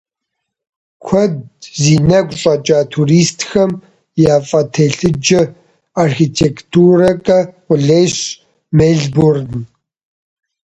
Куэд зи нэгу щӀэкӀа туристхэм яфӀэтелъыджэ архитектурэкӀэ къулейщ Мельбурн.